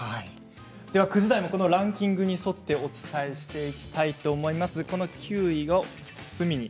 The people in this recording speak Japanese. ９時台もランキングに沿ってお伝えしていきます。